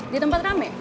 di tempat rame